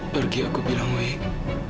pergi aku bilang wih